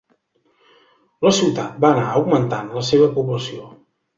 La ciutat va anar augmentant la seva població.